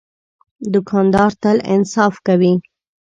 دوکاندار تل انصاف کوي.